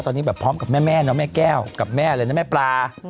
ตอนนี้แบบพร้อมกับแม่เนาะแม่แก้วกับแม่เลยนะแม่ปลา